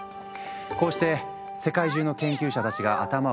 こうして世界中の研究者たちが頭を抱える中。